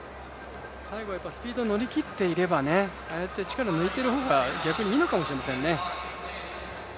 最後スピード乗り切っていれば、ああやって力を抜いている方が逆にいいのかもしれませんね。